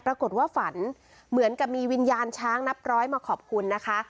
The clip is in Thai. ปรากฏว่าฝันเหมือนกับมีวิญญาณช้างนับร้อยมาขอบคุณนะคะ